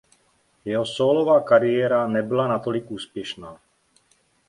Jeho sólová kariéra nebyla natolik úspěšná.